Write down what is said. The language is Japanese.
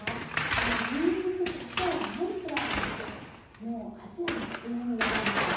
このにんにく砂糖ナンプラーの味でもうアジアの風味になるんですよね。